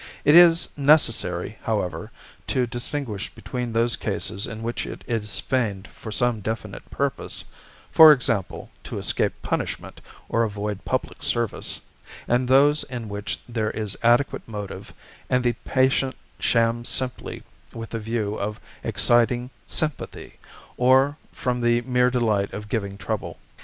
It is necessary, however, to distinguish between those cases in which it is feigned for some definite purpose for example, to escape punishment or avoid public service and those in which there is adequate motive, and the patient shams simply with the view of exciting sympathy, or from the mere delight of giving trouble.